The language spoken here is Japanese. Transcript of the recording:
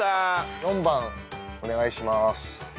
４番お願いします。